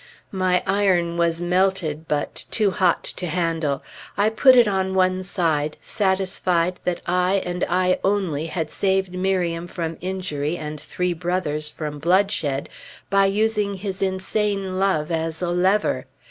My iron was melted, but too hot to handle; I put it on one side, satisfied that I and I only had saved Miriam from injury and three brothers from bloodshed, by using his insane love as a lever.